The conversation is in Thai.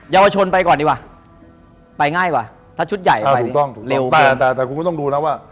เยาวชนไปก่อนดีกว่าไปง่ายกว่าถ้าชุดใหญ่ไปถูกต้องเร็วกว่าแต่แต่คุณก็ต้องดูนะว่า